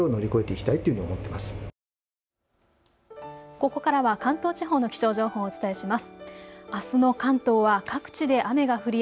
ここからは関東地方の気象情報をお伝えします。